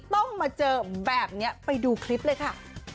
ต้องมาเจอแบบนี้ไปดูคลิปเลยค่ะ